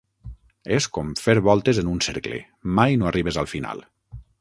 És com fer voltes en un cercle: mai no arribes al final.